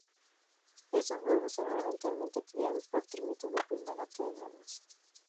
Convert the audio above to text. Estos huevos serán eventualmente criados por termitas del primer lote de huevos.